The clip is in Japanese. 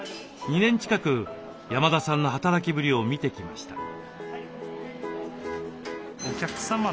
２年近く山田さんの働きぶりを見てきました。